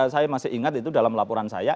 saya masih ingat itu dalam laporan saya